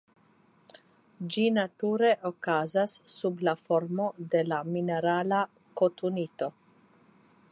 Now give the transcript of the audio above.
Ĝi nature okazas sub la formo de la mineralo kotunito.